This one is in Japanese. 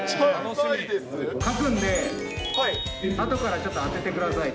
たぶんね、あとからちょっと当ててくださいと。